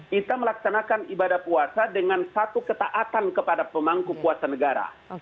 kita melaksanakan ibadah puasa dengan satu ketaatan kepada pemangku puasa negara